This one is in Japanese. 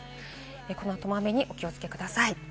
この後も雨にお気をつけください。